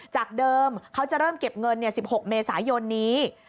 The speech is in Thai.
จากเดิมเขาจะเริ่มเก็บเงิน๑๖เมษายนนี้